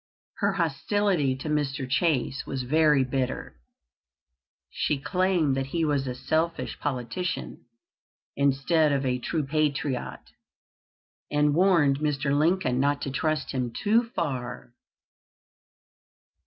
Her hostility to Mr. Chase was very bitter. She claimed that he was a selfish politician instead of a true patriot, and warned Mr. Lincoln not to trust him too far.